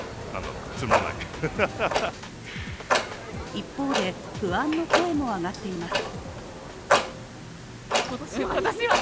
一方で、不安の声も上がっています。